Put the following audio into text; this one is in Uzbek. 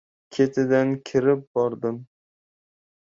Ketidan kirib bordim.